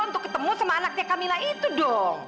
untuk ketemu sama anaknya camilla itu dong